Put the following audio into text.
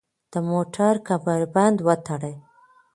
د موټر کمربند وتړئ.